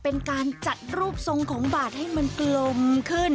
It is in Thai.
เป็นการจัดรูปทรงของบาทให้มันกลมขึ้น